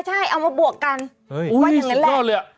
ใช่เอามาบวกกันว่าอย่างนั้นแหละอุ๊ยสุดยอดเลยอะ